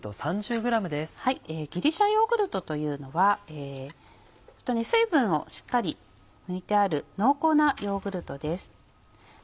ギリシャヨーグルトというのは水分をしっかり抜いてある濃厚なヨーグルトです。